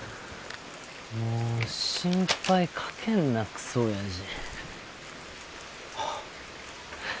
もう心配かけんなくそおやじ。